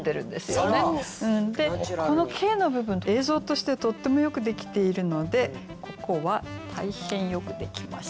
この「景」の部分映像としてとってもよくできているのでここは大変よくできました。